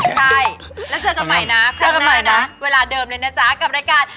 ใช่แล้วเจอกันใหม่นะเจอกันใหม่นะเวลาเดิมเลยนะจ๊ะกับรายการ